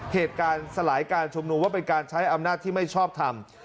เหตุการณ์สลายการชุมนุมว่าเป็นการใช้อำนาจที่ไม่ชอบทำ